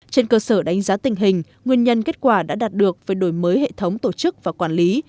trên cơ sở đánh giá tình hình nguyên nhân kết quả đã đạt được về đổi mới hệ thống tổ chức và quản lý